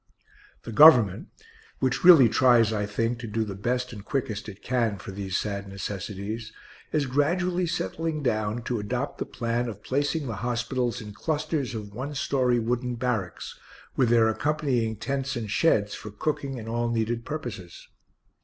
The Government (which really tries, I think, to do the best and quickest it can for these sad necessities) is gradually settling down to adopt the plan of placing the hospitals in clusters of one story wooden barracks, with their accompanying tents and sheds for cooking and all needed purposes.